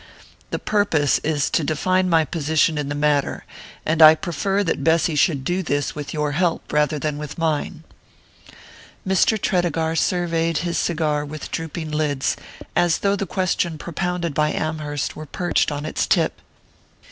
"The purpose is to define my position in the matter; and I prefer that Bessy should do this with your help rather than with mine." Mr. Tredegar surveyed his cigar through drooping lids, as though the question propounded by Amherst were perched on its tip.